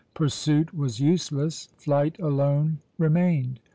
Pursuit was useless; flight alone remained.